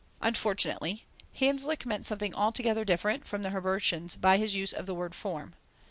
Unfortunately Hanslick meant something altogether different from the Herbartians by his use of the word form.